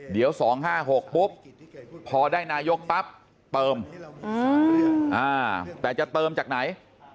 เดี๋ยว๒๕๖ปุ๊บพอได้นายกปั๊บเติมแต่จะเติมจากไหน